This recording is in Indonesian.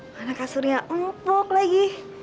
mana kasurnya empuk lagi